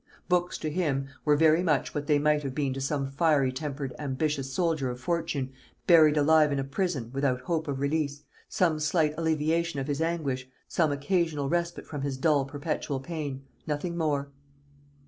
Books to him were very much what they might have been to some fiery tempered ambitious soldier of fortune buried alive in a prison, without hope of release, some slight alleviation of his anguish, some occasional respite from his dull perpetual pain; nothing more.